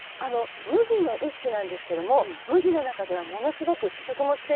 「麦の一種なんですけども麦の中ではものすごく食物繊維がたっぷりなんです」